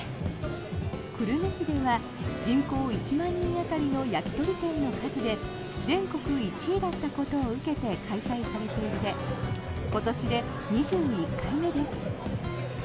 久留米市では人口１万人当たりの焼き鳥店の数で全国１位だったことを受けて開催されていて今年で２１回目です。